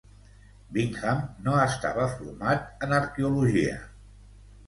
Bingham no estava format en arqueologia.